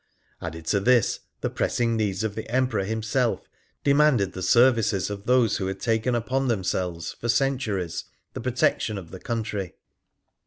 Added to this, the pressing needs of the Emperor himself demanded the services of those who had taken upon themselves for centuries the protection of the country.